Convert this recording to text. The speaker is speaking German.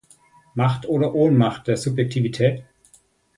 Macht oder Ohnmacht der Subjektivität?